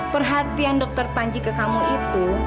perhatian dokter panji ke kamu itu